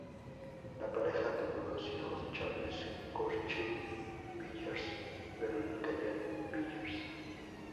La pareja tuvo dos hijos, Charles Churchill Villiers y Veronica Jane Villiers.